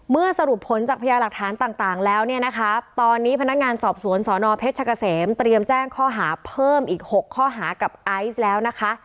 สรุปผลจากพยาหลักฐานต่างแล้วเนี่ยนะคะตอนนี้พนักงานสอบสวนสนเพชรกะเสมเตรียมแจ้งข้อหาเพิ่มอีก๖ข้อหากับไอซ์แล้วนะคะ